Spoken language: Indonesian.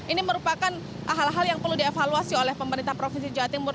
ini merupakan hal hal yang perlu dievaluasi oleh pemerintah provinsi jawa timur